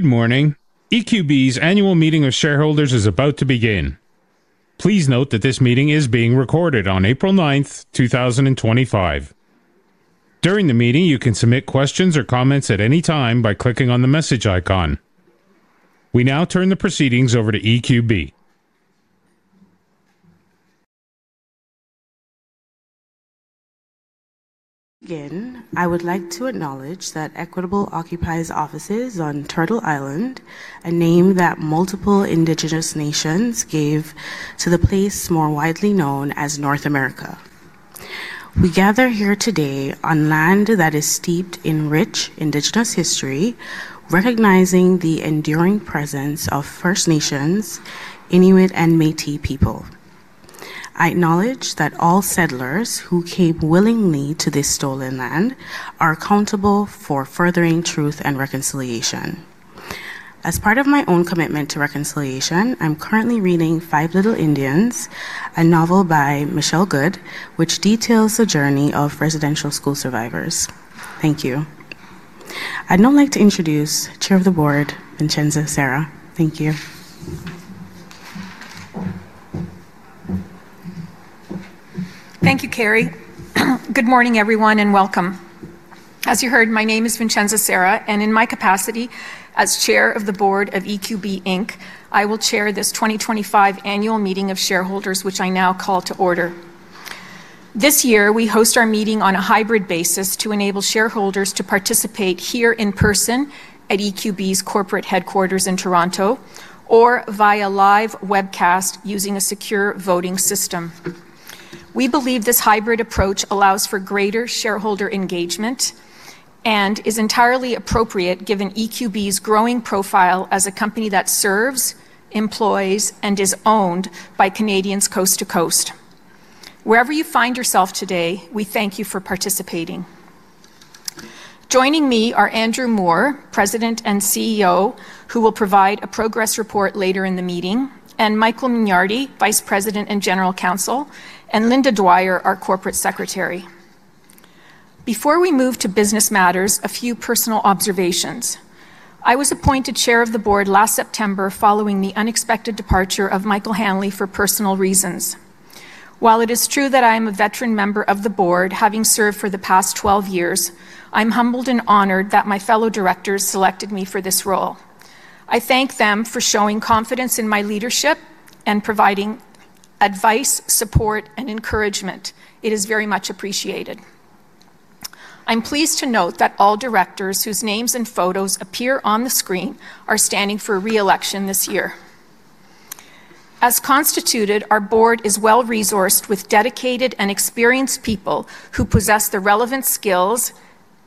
Good morning. EQB's Annual Meeting of Shareholders is about to begin. Please note that this meeting is being recorded on April 9, 2025. During the meeting, you can submit questions or comments at any time by clicking on the message icon. We now turn the proceedings over to EQB. Again, I would like to acknowledge that Equitable occupies offices on Turtle Island, a name that multiple Indigenous nations gave to the place more widely known as North America. We gather here today on land that is steeped in rich Indigenous history, recognizing the enduring presence of First Nations, Inuit, and Métis people. I acknowledge that all settlers who came willingly to this stolen land are accountable for furthering truth and reconciliation. As part of my own commitment to reconciliation, I'm currently reading Five Little Indians, a novel by Michelle Good, which details the journey of residential school survivors. Thank you. I'd now like to introduce Chair of the Board, Vincenza Sera. Thank you. Thank you, Carrie. Good morning, everyone, and welcome. As you heard, my name is Vincenza Sera, and in my capacity as Chair of the Board of EQB, I will chair this 2025 Annual Meeting of Shareholders, which I now call to order. This year, we host our meeting on a hybrid basis to enable shareholders to participate here in person at EQB's corporate headquarters in Toronto or via live webcast using a secure voting system. We believe this hybrid approach allows for greater shareholder engagement and is entirely appropriate given EQB's growing profile as a company that serves, employs, and is owned by Canadians coast to coast. Wherever you find yourself today, we thank you for participating. Joining me are Andrew Moor, President and CEO, who will provide a progress report later in the meeting, and Michael Mignardi, Vice President and General Counsel, and Linda Dwyer, our Corporate Secretary. Before we move to business matters, a few personal observations. I was appointed Chair of the Board last September following the unexpected departure of Michael Hanley for personal reasons. While it is true that I am a veteran member of the Board, having served for the past 12 years, I'm humbled and honored that my fellow directors selected me for this role. I thank them for showing confidence in my leadership and providing advice, support, and encouragement. It is very much appreciated. I'm pleased to note that all directors whose names and photos appear on the screen are standing for reelection this year. As constituted, our Board is well-resourced with dedicated and experienced people who possess the relevant skills,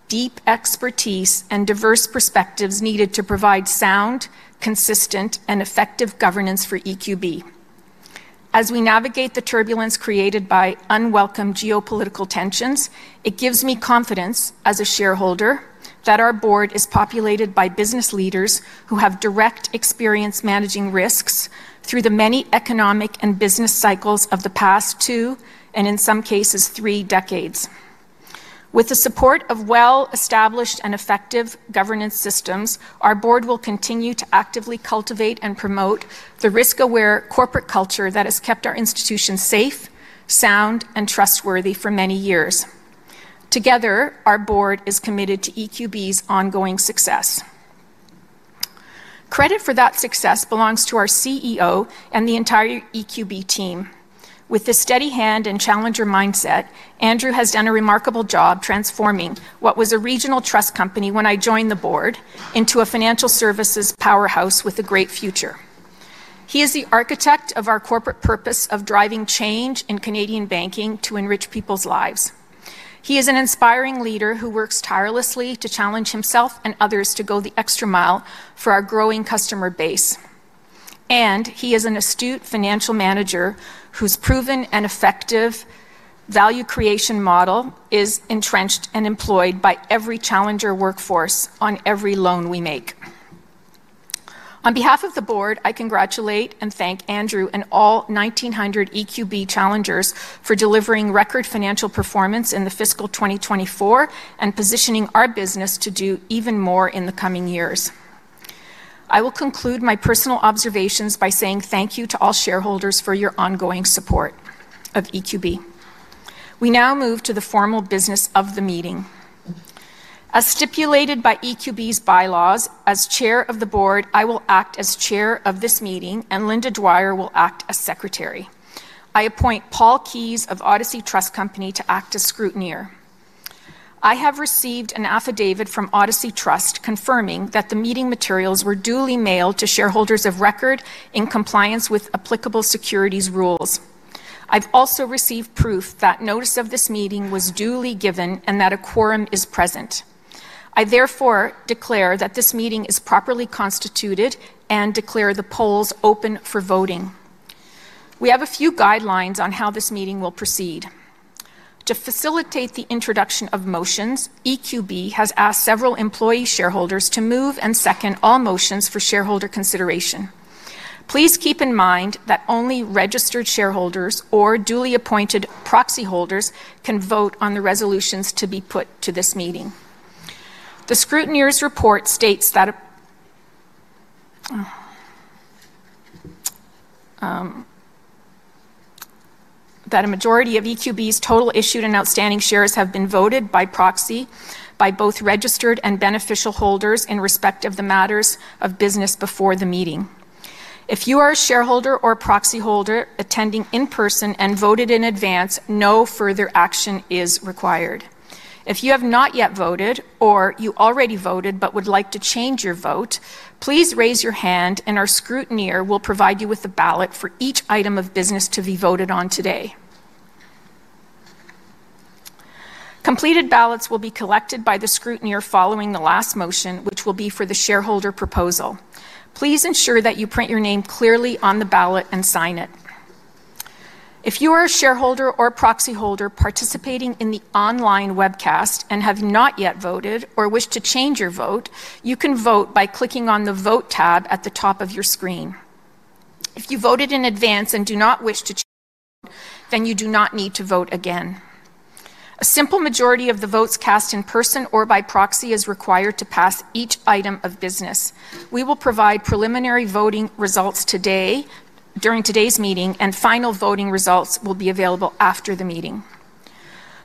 deep expertise, and diverse perspectives needed to provide sound, consistent, and effective governance for EQB. As we navigate the turbulence created by unwelcome geopolitical tensions, it gives me confidence as a shareholder that our Board is populated by business leaders who have direct experience managing risks through the many economic and business cycles of the past two, and in some cases, three decades. With the support of well-established and effective governance systems, our Board will continue to actively cultivate and promote the risk-aware corporate culture that has kept our institution safe, sound, and trustworthy for many years. Together, our Board is committed to EQB's ongoing success. Credit for that success belongs to our CEO and the entire EQB team. With his steady hand and challenger mindset, Andrew has done a remarkable job transforming what was a regional trust company when I joined the Board into a financial services powerhouse with a great future. He is the architect of our corporate purpose of driving change in Canadian banking to enrich people's lives. He is an inspiring leader who works tirelessly to challenge himself and others to go the extra mile for our growing customer base. He is an astute financial manager whose proven and effective value creation model is entrenched and employed by every challenger workforce on every loan we make. On behalf of the Board, I congratulate and thank Andrew and all 1,900 EQB challengers for delivering record financial performance in the fiscal 2024 and positioning our business to do even more in the coming years. I will conclude my personal observations by saying thank you to all shareholders for your ongoing support of EQB. We now move to the formal business of the meeting. As stipulated by EQB's bylaws, as Chair of the Board, I will act as Chair of this meeting, and Linda Dwyer will act as Secretary. I appoint Paul Keyes of Odyssey Trust Company to act as scrutineer. I have received an affidavit from Odyssey Trust confirming that the meeting materials were duly mailed to shareholders of record in compliance with applicable securities rules. I've also received proof that notice of this meeting was duly given and that a quorum is present. I therefore declare that this meeting is properly constituted and declare the polls open for voting. We have a few guidelines on how this meeting will proceed. To facilitate the introduction of motions, EQB has asked several employee shareholders to move and second all motions for shareholder consideration. Please keep in mind that only registered shareholders or duly appointed proxy holders can vote on the resolutions to be put to this meeting. The scrutineer's report states that a majority of EQB's total issued and outstanding shares have been voted by proxy by both registered and beneficial holders in respect of the matters of business before the meeting. If you are a shareholder or proxy holder attending in person and voted in advance, no further action is required. If you have not yet voted or you already voted but would like to change your vote, please raise your hand, and our scrutineer will provide you with a ballot for each item of business to be voted on today. Completed ballots will be collected by the scrutineer following the last motion, which will be for the shareholder proposal. Please ensure that you print your name clearly on the ballot and sign it. If you are a shareholder or proxy holder participating in the online webcast and have not yet voted or wish to change your vote, you can vote by clicking on the Vote tab at the top of your screen. If you voted in advance and do not wish to change, then you do not need to vote again. A simple majority of the votes cast in person or by proxy is required to pass each item of business. We will provide preliminary voting results today during today's meeting, and final voting results will be available after the meeting.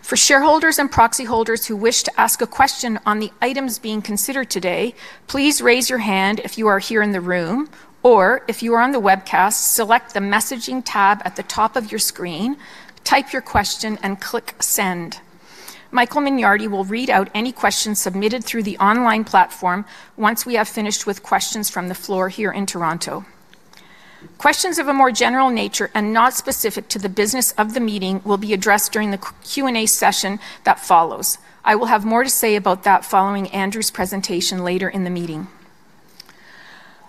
For shareholders and proxy holders who wish to ask a question on the items being considered today, please raise your hand if you are here in the room, or if you are on the webcast, select the Messaging tab at the top of your screen, type your question, and click Send. Michael Mignardi will read out any questions submitted through the online platform once we have finished with questions from the floor here in Toronto. Questions of a more general nature and not specific to the business of the meeting will be addressed during the Q&A session that follows. I will have more to say about that following Andrew's presentation later in the meeting.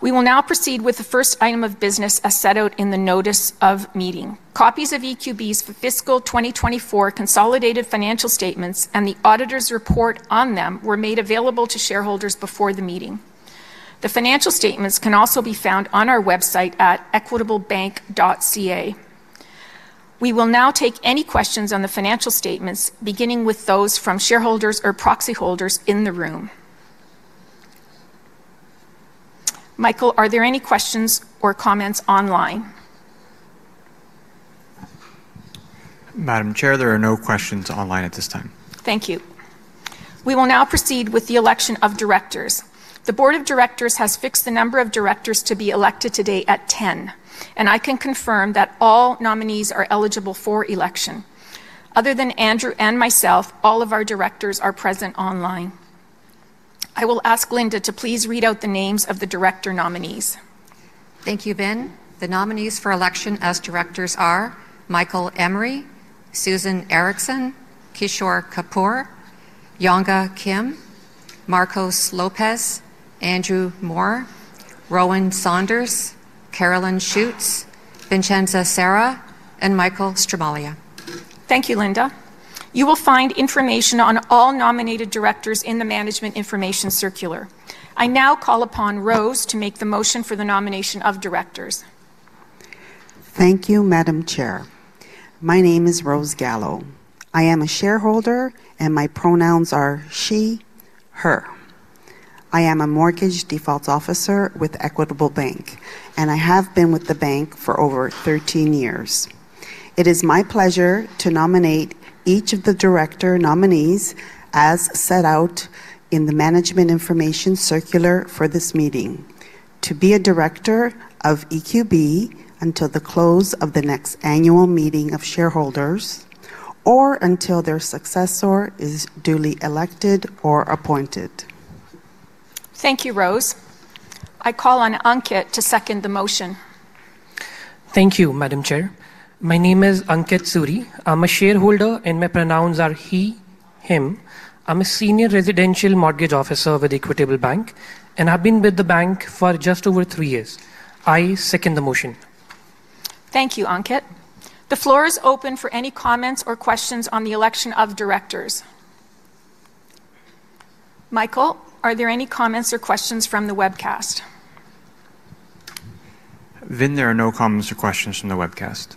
We will now proceed with the first item of business as set out in the Notice of Meeting. Copies of EQB's fiscal 2024 consolidated financial statements and the auditor's report on them were made available to shareholders before the meeting. The financial statements can also be found on our website at equitablebank.ca. We will now take any questions on the financial statements, beginning with those from shareholders or proxy holders in the room. Michael, are there any questions or comments online? Madam Chair, there are no questions online at this time. Thank you. We will now proceed with the election of directors. The Board of Directors has fixed the number of directors to be elected today at 10, and I can confirm that all nominees are eligible for election. Other than Andrew and myself, all of our directors are present online. I will ask Linda to please read out the names of the director nominees. Thank you, Vin. The nominees for election as directors are Michael Emery, Susan Erickson, Kishore Kapoor, Marcos Lopez, Andrew Moor, Rowan Saunders, Carolyn Schuetz, Vincenza Sera, and Michael Stramaglia. Thank you, Linda. You will find information on all nominated directors in the Management Information Circular. I now call upon Rose to make the motion for the nomination of directors. Thank you, Madam Chair. My name is Rose Gallo. I am a shareholder, and my pronouns are she/her. I am a mortgage default officer with Equitable Bank, and I have been with the bank for over 13 years. It is my pleasure to nominate each of the director nominees as set out in the Management Information Circular for this meeting to be a director of EQB until the close of the next annual meeting of shareholders or until their successor is duly elected or appointed. Thank you, Rose. I call on Ankit to second the motion. Thank you, Madam Chair. My name is Ankit Suri. I'm a shareholder, and my pronouns are he/him. I'm a senior residential mortgage officer with Equitable Bank, and I've been with the bank for just over three years. I second the motion. Thank you, Ankit. The floor is open for any comments or questions on the election of directors. Michael, are there any comments or questions from the webcast? Vin, there are no comments or questions from the webcast.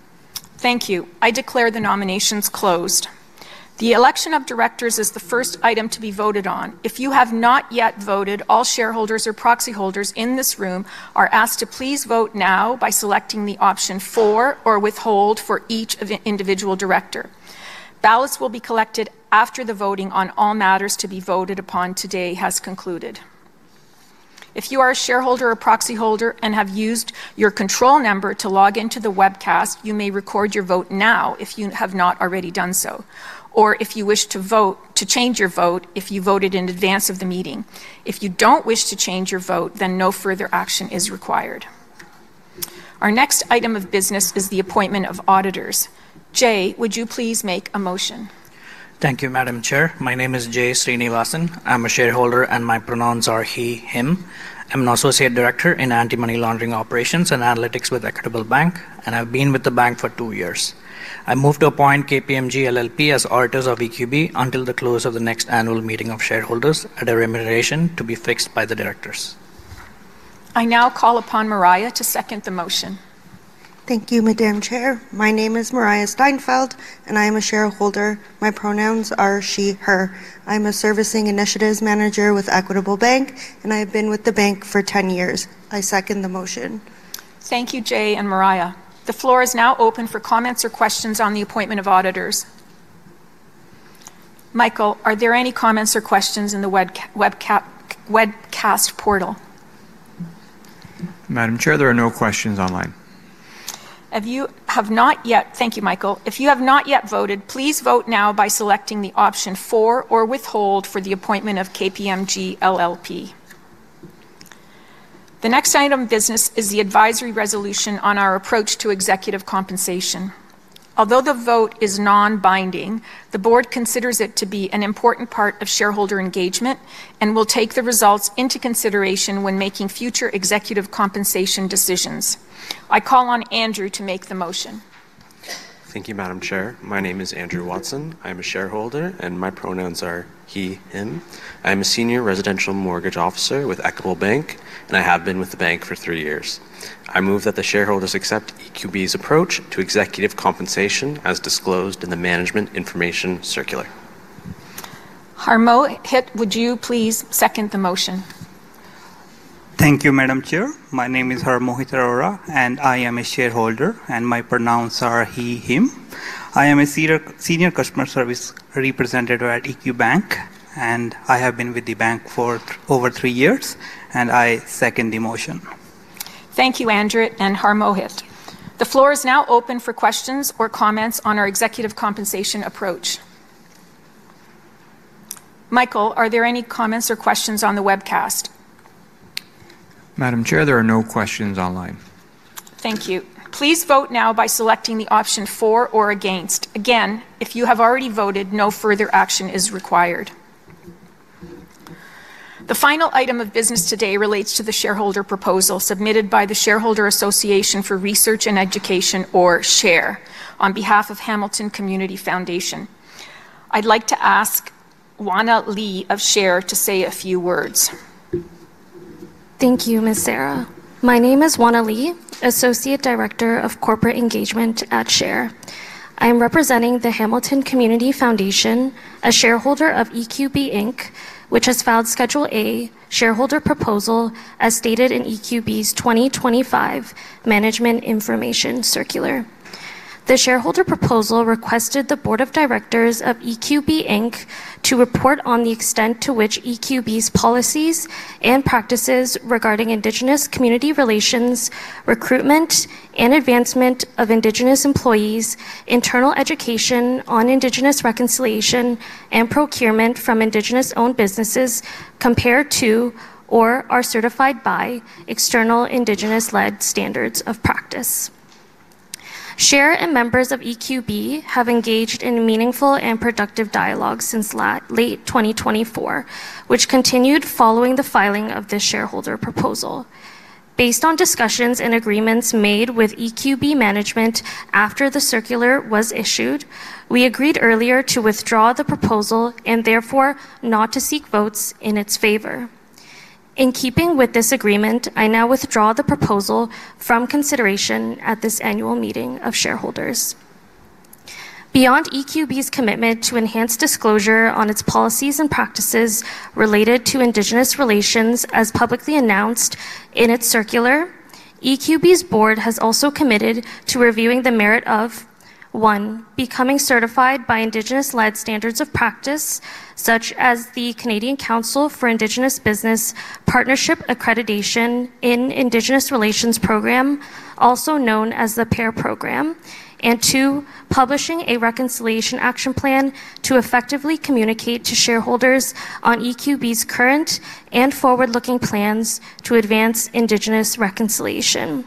Thank you. I declare the nominations closed. The election of directors is the first item to be voted on. If you have not yet voted, all shareholders or proxy holders in this room are asked to please vote now by selecting the option for or withhold for each individual director. Ballots will be collected after the voting on all matters to be voted upon today has concluded. If you are a shareholder or proxy holder and have used your control number to log into the webcast, you may record your vote now if you have not already done so, or if you wish to change your vote if you voted in advance of the meeting. If you don't wish to change your vote, then no further action is required. Our next item of business is the appointment of auditors. Jay, would you please make a motion? Thank you, Madam Chair. My name is Jay Srinivasan. I'm a shareholder, and my pronouns are he/him. I'm an associate director in anti-money laundering operations and analytics with Equitable Bank, and I've been with the bank for two years. I move to appoint KPMG LLP as auditors of EQB until the close of the next annual meeting of shareholders at a remuneration to be fixed by the directors. I now call upon Mariah to second the motion. Thank you, Madam Chair. My name is Mariah Steinfeld, and I am a shareholder. My pronouns are she/her. I'm a servicing initiatives manager with Equitable Bank, and I have been with the bank for 10 years. I second the motion. Thank you, Jay and Mariah. The floor is now open for comments or questions on the appointment of auditors. Michael, are there any comments or questions in the webcast portal? Madam Chair, there are no questions online. If you have not yet—thank you, Michael. If you have not yet voted, please vote now by selecting the option for or withhold for the appointment of KPMG LLP. The next item of business is the advisory resolution on our approach to executive compensation. Although the vote is non-binding, the Board considers it to be an important part of shareholder engagement and will take the results into consideration when making future executive compensation decisions. I call on Andrew to make the motion. Thank you, Madam Chair. My name is Andrew Watson. I'm a shareholder, and my pronouns are he/him. I'm a senior residential mortgage officer with Equitable Bank, and I have been with the bank for three years. I move that the shareholders accept EQB's approach to executive compensation as disclosed in the Management Information Circular. Harmohit, would you please second the motion? Thank you, Madam Chair. My name is Harmohit Arora, and I am a shareholder, and my pronouns are he/him. I am a senior customer service representative at EQ Bank, and I have been with the bank for over three years, and I second the motion. Thank you, Andrew and Harmohit. The floor is now open for questions or comments on our executive compensation approach. Michael, are there any comments or questions on the webcast? Madam Chair, there are no questions online. Thank you. Please vote now by selecting the option for or against. Again, if you have already voted, no further action is required. The final item of business today relates to the shareholder proposal submitted by the Shareholder Association for Research and Education, or SHARE, on behalf of Hamilton Community Foundation. I'd like to ask Wana Lee of SHARE to say a few words. Thank you, Ms. Sera. My name is Wana Lee, Associate Director of Corporate Engagement at SHARE. I am representing the Hamilton Community Foundation, a shareholder of EQB, which has filed Schedule A shareholder proposal as stated in EQB's 2025 Management Information Circular. The shareholder proposal requested the Board of Directors of EQB to report on the extent to which EQB's policies and practices regarding Indigenous community relations, recruitment and advancement of Indigenous employees, internal education on Indigenous reconciliation and procurement from Indigenous-owned businesses compare to or are certified by external Indigenous-led standards of practice. SHARE and members of EQB have engaged in meaningful and productive dialogue since late 2024, which continued following the filing of this shareholder proposal. Based on discussions and agreements made with EQB management after the circular was issued, we agreed earlier to withdraw the proposal and therefore not to seek votes in its favor. In keeping with this agreement, I now withdraw the proposal from consideration at this annual meeting of shareholders. Beyond EQB's commitment to enhanced disclosure on its policies and practices related to Indigenous relations as publicly announced in its circular, EQB's board has also committed to reviewing the merit of: one, becoming certified by Indigenous-led standards of practice, such as the Canadian Council for Indigenous Business PAR Program, and two, publishing a reconciliation action plan to effectively communicate to shareholders on EQB's current and forward-looking plans to advance Indigenous reconciliation.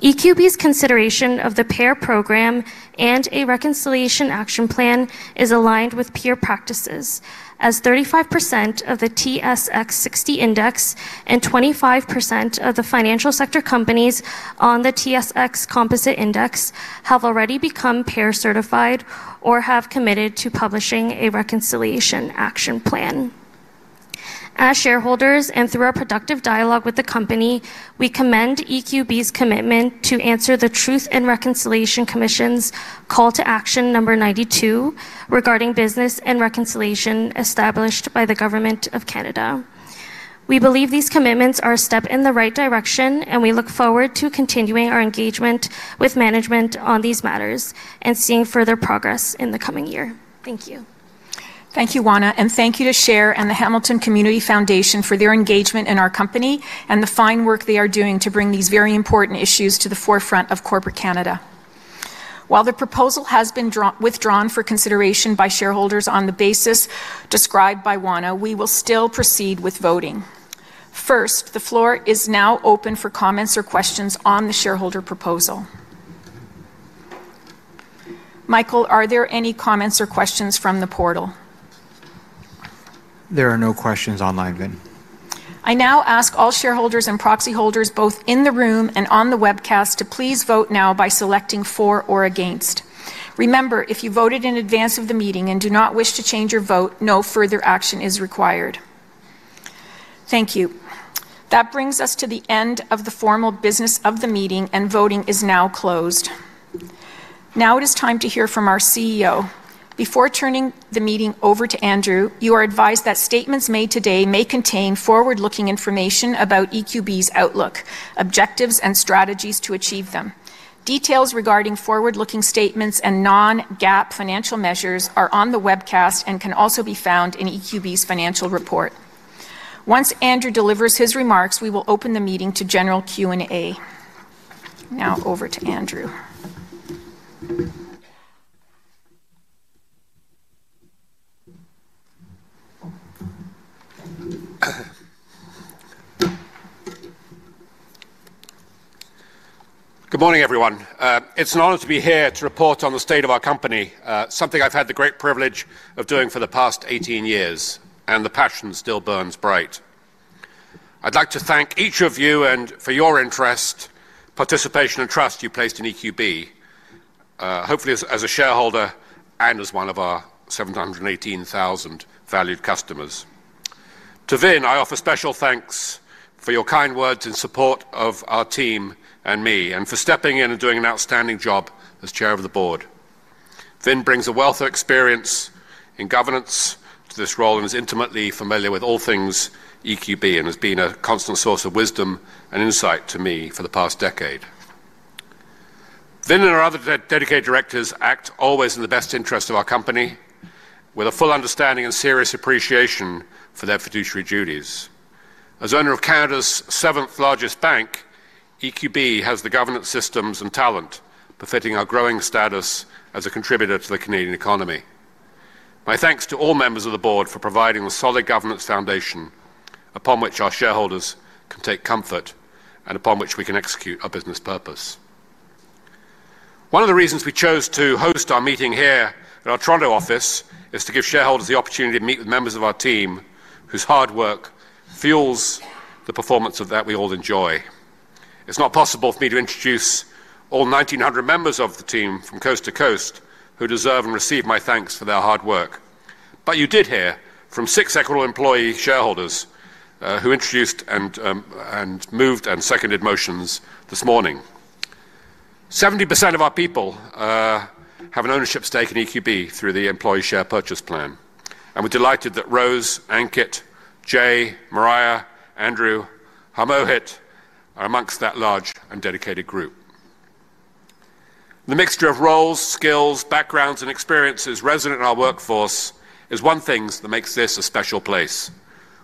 EQB's consideration of the PAR Program and a reconciliation action plan is aligned with peer practices, as 35% of the TSX 60 Index and 25% of the financial sector companies on the TSX Composite Index have already become PAR certified or have committed to publishing a reconciliation action plan. As shareholders and through our productive dialogue with the company, we commend EQB's commitment to answer the Truth and Reconciliation Commission's Call to Action Number 92 regarding business and reconciliation established by the Government of Canada. We believe these commitments are a step in the right direction, and we look forward to continuing our engagement with management on these matters and seeing further progress in the coming year. Thank you. Thank you, Wana, and thank you to SHARE and the Hamilton Community Foundation for their engagement in our company and the fine work they are doing to bring these very important issues to the forefront of corporate Canada. While the proposal has been withdrawn for consideration by shareholders on the basis described by Wana, we will still proceed with voting. First, the floor is now open for comments or questions on the shareholder proposal. Michael, are there any comments or questions from the portal? There are no questions online, Vin. I now ask all shareholders and proxy holders, both in the room and on the webcast, to please vote now by selecting for or against. Remember, if you voted in advance of the meeting and do not wish to change your vote, no further action is required. Thank you. That brings us to the end of the formal business of the meeting, and voting is now closed. Now it is time to hear from our CEO. Before turning the meeting over to Andrew, you are advised that statements made today may contain forward-looking information about EQB's outlook, objectives, and strategies to achieve them. Details regarding forward-looking statements and non-GAAP financial measures are on the webcast and can also be found in EQB's financial report. Once Andrew delivers his remarks, we will open the meeting to general Q&A. Now over to Andrew. Good morning, everyone. It's an honor to be here to report on the state of our company, something I've had the great privilege of doing for the past 18 years, and the passion still burns bright. I'd like to thank each of you for your interest, participation, and trust you placed in EQB, hopefully as a shareholder and as one of our 718,000 valued customers. To Vin, I offer special thanks for your kind words in support of our team and me, and for stepping in and doing an outstanding job as chair of the board. Vin brings a wealth of experience in governance to this role and is intimately familiar with all things EQB and has been a constant source of wisdom and insight to me for the past decade. Vin and our other dedicated directors act always in the best interest of our company with a full understanding and serious appreciation for their fiduciary duties. As owner of Canada's seventh-largest bank, EQB has the governance systems and talent befitting our growing status as a contributor to the Canadian economy. My thanks to all members of the board for providing the solid governance foundation upon which our shareholders can take comfort and upon which we can execute our business purpose. One of the reasons we chose to host our meeting here at our Toronto office is to give shareholders the opportunity to meet with members of our team whose hard work fuels the performance that we all enjoy. It's not possible for me to introduce all 1,900 members of the team from coast to coast who deserve and receive my thanks for their hard work, but you did hear from six Equitable employee shareholders who introduced and moved and seconded motions this morning. 70% of our people have an ownership stake in EQB through the Employee Share Purchase Plan, and we're delighted that Rose, Ankit, Jay, Mariah, Andrew, Harmohit are amongst that large and dedicated group. The mixture of roles, skills, backgrounds, and experiences resident in our workforce is one thing that makes this a special place.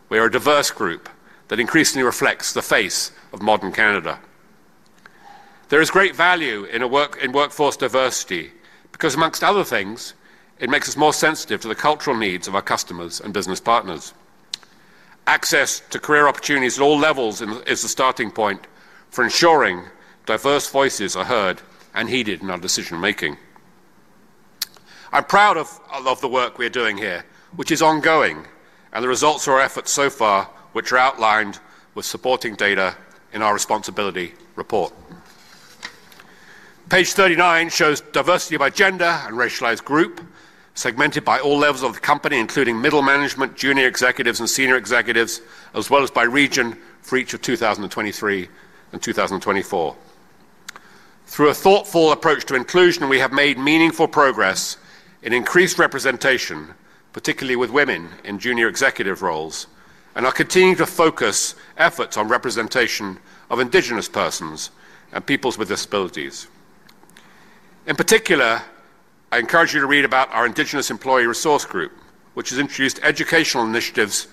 We are a diverse group that increasingly reflects the face of modern Canada. There is great value in workforce diversity because, amongst other things, it makes us more sensitive to the cultural needs of our customers and business partners. Access to career opportunities at all levels is the starting point for ensuring diverse voices are heard and heeded in our decision-making. I'm proud of the work we are doing here, which is ongoing, and the results of our efforts so far, which are outlined with supporting data in our Responsibility Report. Page 39 shows diversity by gender and racialized group, segmented by all levels of the company, including middle management, junior executives, and senior executives, as well as by region for each of 2023 and 2024. Through a thoughtful approach to inclusion, we have made meaningful progress in increased representation, particularly with women in junior executive roles, and are continuing to focus efforts on representation of Indigenous persons and people with disabilities. In particular, I encourage you to read about our Indigenous Employee Resource Group, which has introduced educational initiatives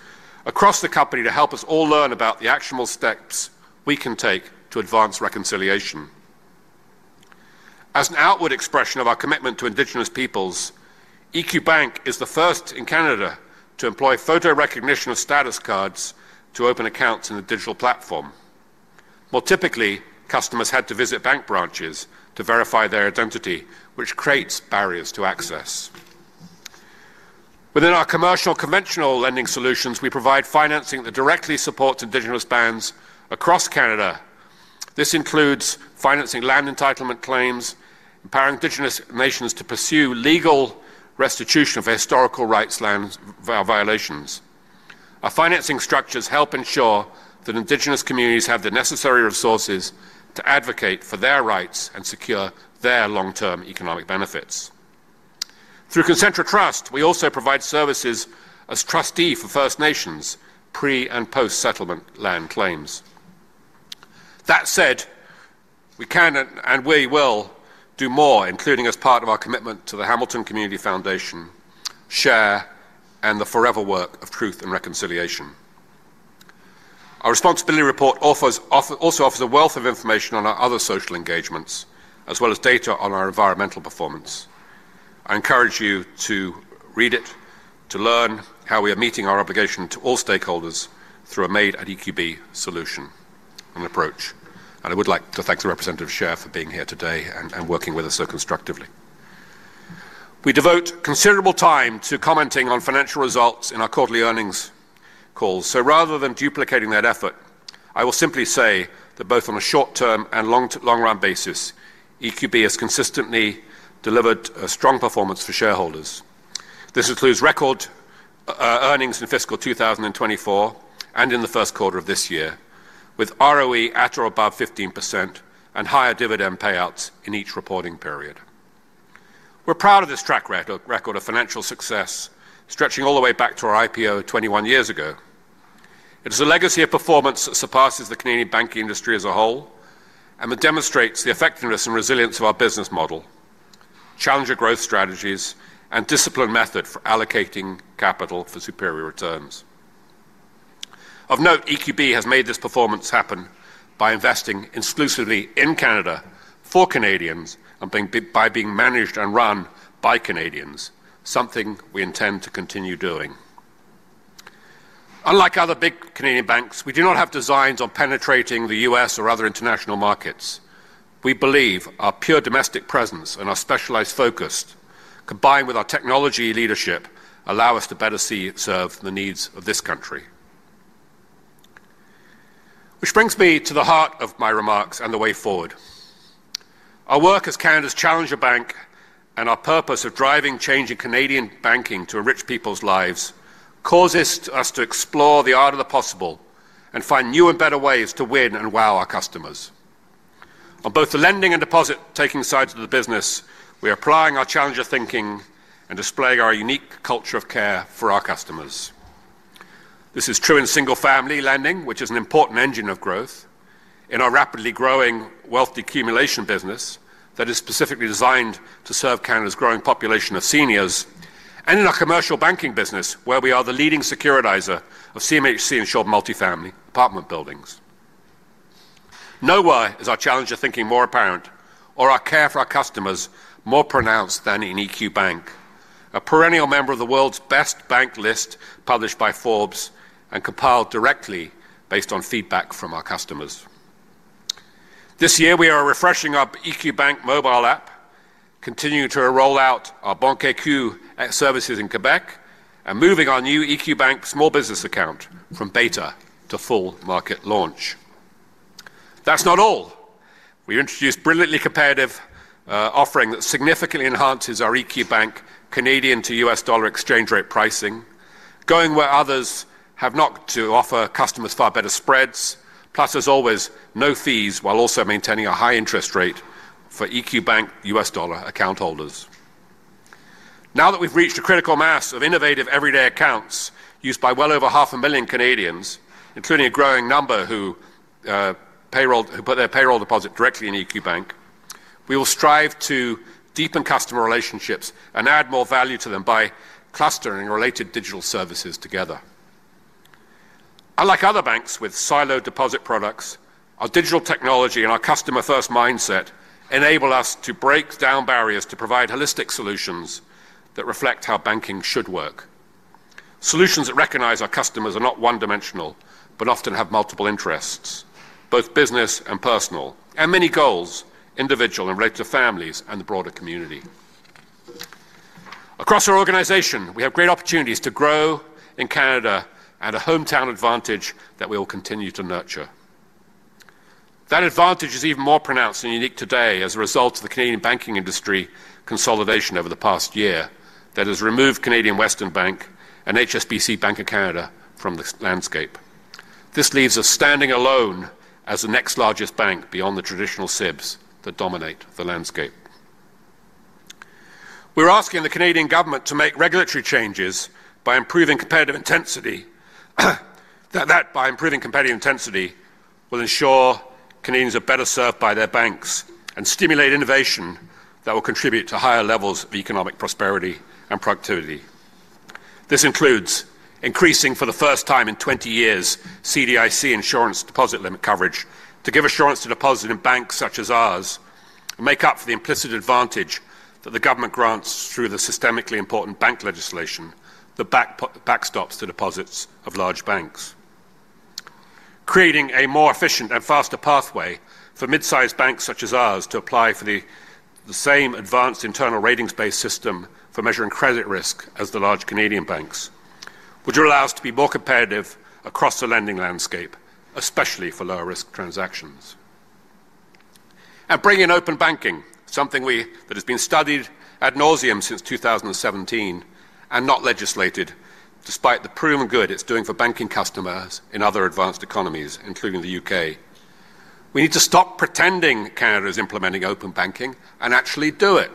across the company to help us all learn about the actionable steps we can take to advance reconciliation. As an outward expression of our commitment to Indigenous peoples, EQ Bank is the first in Canada to employ photo recognition of status cards to open accounts in a digital platform. More typically, customers had to visit bank branches to verify their identity, which creates barriers to access. Within our commercial conventional lending solutions, we provide financing that directly supports Indigenous bands across Canada. This includes financing land entitlement claims and empowering Indigenous nations to pursue legal restitution of historical rights violations. Our financing structures help ensure that Indigenous communities have the necessary resources to advocate for their rights and secure their long-term economic benefits. Through Concentra Trust, we also provide services as trustee for First Nations pre- and post-settlement land claims. That said, we can and we will do more, including as part of our commitment to the Hamilton Community Foundation, SHARE, and the forever work of truth and reconciliation. Our Responsibility Report also offers a wealth of information on our other social engagements, as well as data on our environmental performance. I encourage you to read it to learn how we are meeting our obligation to all stakeholders through a made-at-EQB solution and approach, and I would like to thank the representative from SHARE for being here today and working with us so constructively. We devote considerable time to commenting on financial results in our quarterly earnings calls, so rather than duplicating that effort, I will simply say that both on a short-term and long-run basis, EQB has consistently delivered a strong performance for shareholders. This includes record earnings in fiscal 2024 and in the first quarter of this year, with ROE at or above 15% and higher dividend payouts in each reporting period. We're proud of this track record of financial success, stretching all the way back to our IPO 21 years ago. It is a legacy of performance that surpasses the Canadian banking industry as a whole and demonstrates the effectiveness and resilience of our business model, challenger growth strategies, and disciplined method for allocating capital for superior returns. Of note, EQB has made this performance happen by investing exclusively in Canada for Canadians and by being managed and run by Canadians, something we intend to continue doing. Unlike other big Canadian banks, we do not have designs on penetrating the US or other international markets. We believe our pure domestic presence and our specialized focus, combined with our technology leadership, allow us to better serve the needs of this country. Which brings me to the heart of my remarks and the way forward. Our work as Canada's Challenger Bank and our purpose of driving change in Canadian banking to enrich people's lives causes us to explore the art of the possible and find new and better ways to win and wow our customers. On both the lending and deposit-taking sides of the business, we are applying our challenger thinking and displaying our unique culture of care for our customers. This is true in single-family lending, which is an important engine of growth, in our rapidly growing wealth accumulation business that is specifically designed to serve Canada's growing population of seniors, and in our commercial banking business, where we are the leading securitizer of CMHC-insured multifamily apartment buildings. Nowhere is our challenger thinking more apparent or our care for our customers more pronounced than in EQ Bank, a perennial member of the world's best bank list published by Forbes and compiled directly based on feedback from our customers. This year, we are refreshing our EQ Bank mobile app, continuing to roll out our Banque EQ services in Quebec, and moving our new EQ Bank small business account from beta to full market launch. That's not all. We introduce a brilliantly comparative offering that significantly enhances our EQ Bank Canadian to US dollar exchange rate pricing, going where others have not to offer customers far better spreads, plus as always, no fees while also maintaining a high interest rate for EQ Bank US dollar account holders. Now that we've reached a critical mass of innovative everyday accounts used by well over 500,000 Canadians, including a growing number who put their payroll deposit directly in EQ Bank, we will strive to deepen customer relationships and add more value to them by clustering related digital services together. Unlike other banks with siloed deposit products, our digital technology and our customer-first mindset enable us to break down barriers to provide holistic solutions that reflect how banking should work. Solutions that recognize our customers are not one-dimensional but often have multiple interests, both business and personal, and many goals individual and related to families and the broader community. Across our organization, we have great opportunities to grow in Canada and a hometown advantage that we will continue to nurture. That advantage is even more pronounced and unique today as a result of the Canadian banking industry consolidation over the past year that has removed Canadian Western Bank and HSBC Bank Canada from the landscape. This leaves us standing alone as the next largest bank beyond the traditional SIBs that dominate the landscape. We're asking the Canadian government to make regulatory changes by improving competitive intensity that, by improving competitive intensity, will ensure Canadians are better served by their banks and stimulate innovation that will contribute to higher levels of economic prosperity and productivity. This includes increasing, for the first time in 20 years, CDIC insurance deposit limit coverage to give assurance to deposit in banks such as ours and make up for the implicit advantage that the government grants through the systemically important bank legislation that backstops the deposits of large banks. Creating a more efficient and faster pathway for mid-sized banks such as ours to apply for the same advanced internal ratings-based system for measuring credit risk as the large Canadian banks, which will allow us to be more competitive across the lending landscape, especially for lower-risk transactions. Bringing open banking, something that has been studied ad nauseam since 2017 and not legislated, despite the proven good it's doing for banking customers in other advanced economies, including the U.K. We need to stop pretending Canada is implementing open banking and actually do it.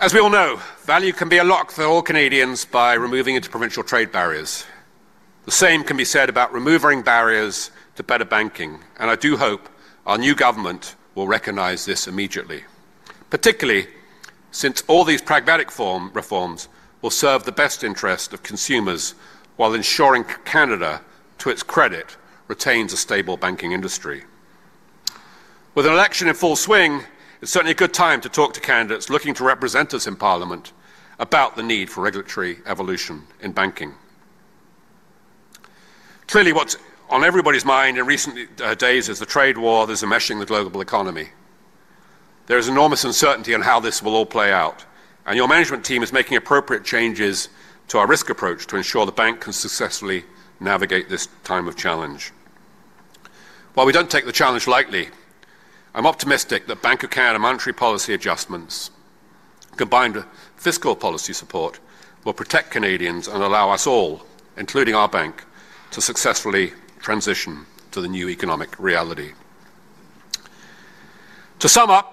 As we all know, value can be unlocked for all Canadians by removing interprovincial trade barriers. The same can be said about removing barriers to better banking, and I do hope our new government will recognize this immediately, particularly since all these pragmatic reforms will serve the best interest of consumers while ensuring Canada, to its credit, retains a stable banking industry. With an election in full swing, it's certainly a good time to talk to candidates looking to represent us in Parliament about the need for regulatory evolution in banking. Clearly, what's on everybody's mind in recent days is the trade war that is meshing the global economy. There is enormous uncertainty on how this will all play out, and your management team is making appropriate changes to our risk approach to ensure the bank can successfully navigate this time of challenge. While we don't take the challenge lightly, I'm optimistic that Bank of Canada monetary policy adjustments, combined with fiscal policy support, will protect Canadians and allow us all, including our bank, to successfully transition to the new economic reality. To sum up,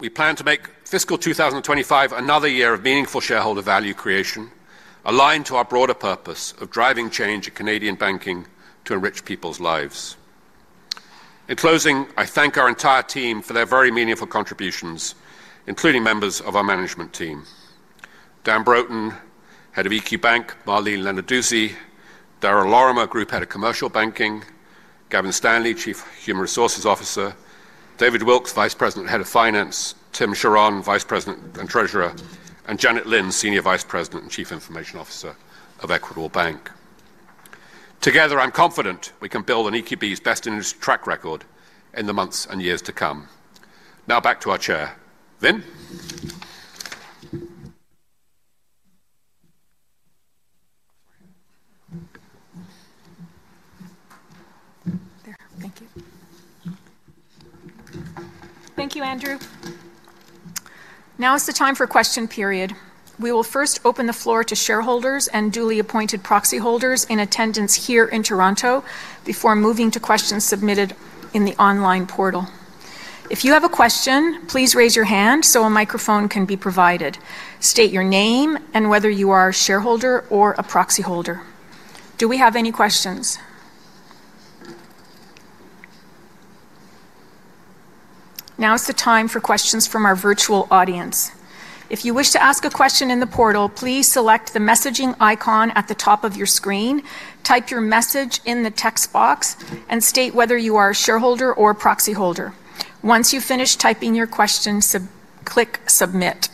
we plan to make fiscal 2025 another year of meaningful shareholder value creation, aligned to our broader purpose of driving change in Canadian banking to enrich people's lives. In closing, I thank our entire team for their very meaningful contributions, including members of our management team: Dan Broten, Head of EQ Bank; Marlene Lenarduzzi; Darren Lorimer, Group Head of Commercial Banking; Gavin Stanley, Chief Human Resources Officer; David Willis, Vice President, Head of Finance; Tim Caron, Vice President and Treasurer; and Janet Lin, Senior Vice President and Chief Information Officer of Equitable Bank. Together, I'm confident we can build on EQB's best industry track record in the months and years to come. Now, back to our Chair. Vin. Thank you. Thank you, Andrew. Now is the time for question period. We will first open the floor to shareholders and duly appointed proxy holders in attendance here in Toronto before moving to questions submitted in the online portal. If you have a question, please raise your hand so a microphone can be provided. State your name and whether you are a shareholder or a proxy holder. Do we have any questions? Now is the time for questions from our virtual audience. If you wish to ask a question in the portal, please select the messaging icon at the top of your screen, type your message in the text box, and state whether you are a shareholder or proxy holder. Once you finish typing your question, click Submit.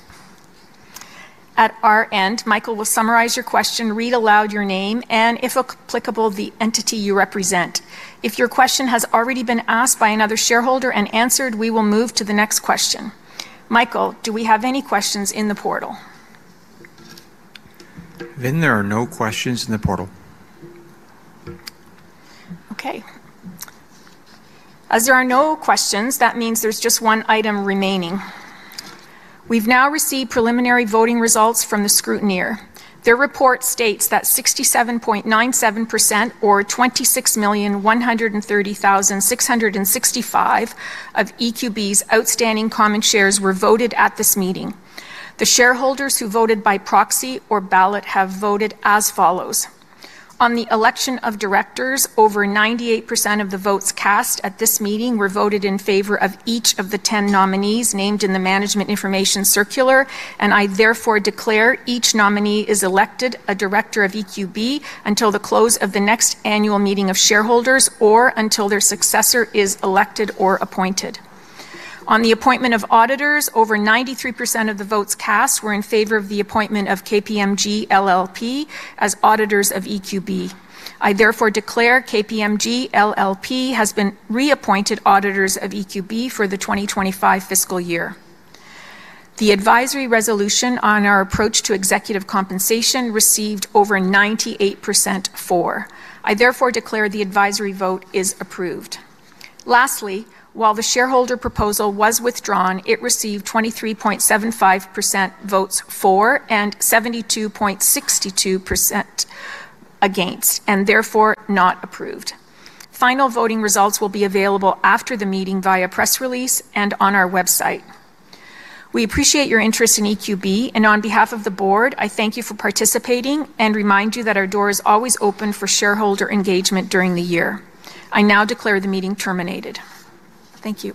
At our end, Michael will summarize your question, read aloud your name, and, if applicable, the entity you represent. If your question has already been asked by another shareholder and answered, we will move to the next question. Michael, do we have any questions in the portal? Vin, there are no questions in the portal. Okay. As there are no questions, that means there's just one item remaining. We've now received preliminary voting results from the scrutineer. Their report states that 67.97%, or 26,130,665, of EQB's outstanding common shares were voted at this meeting. The shareholders who voted by proxy or ballot have voted as follows. On the election of directors, over 98% of the votes cast at this meeting were voted in favor of each of the 10 nominees named in the Management Information Circular, and I therefore declare each nominee is elected a director of EQB until the close of the next annual meeting of shareholders or until their successor is elected or appointed. On the appointment of auditors, over 93% of the votes cast were in favor of the appointment of KPMG LLP as auditors of EQB. I therefore declare KPMG LLP has been reappointed auditors of EQB for the 2025 fiscal year. The advisory resolution on our approach to executive compensation received over 98% for. I therefore declare the advisory vote is approved. Lastly, while the shareholder proposal was withdrawn, it received 23.75% votes for and 72.62% against, and therefore not approved. Final voting results will be available after the meeting via press release and on our website. We appreciate your interest in EQB, and on behalf of the board, I thank you for participating and remind you that our door is always open for shareholder engagement during the year. I now declare the meeting terminated. Thank you.